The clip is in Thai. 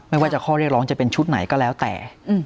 ไม่ว่าจะข้อเรียกร้องจะเป็นชุดไหนก็แล้วแต่